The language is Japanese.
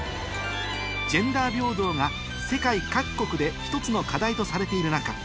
ジェンダー平等が世界各国で１つの課題とされている中